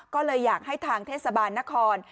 ก็เลยอยากให้ทางเทศบาลนคร